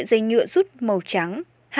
năm sợi dây nhựa rút màu trắng